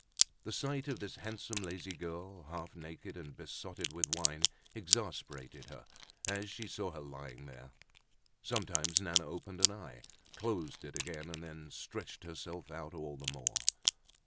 The sight of this handsome lazy girl, half naked and besotted with wine, exasperated her, as she saw her lying there. Sometimes Nana opened an eye, closed it again, and then stretched herself out all the more.